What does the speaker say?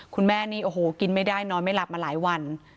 คุณแม่นี่โอ้โหกินไม่ได้นอนไม่หลับมาหลายวัน